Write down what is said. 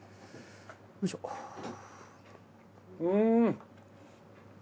うん！